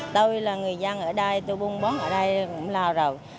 tôi là người dân ở đây tôi buôn bón ở đây cũng là rồi